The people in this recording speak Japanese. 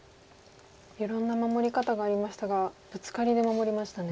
いろんな守り方がありましたがブツカリで守りましたね。